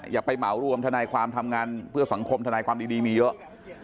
อย่าไปเหมารวมทนายความทำงานเพื่อสังคมทนายความดีมีเยอะ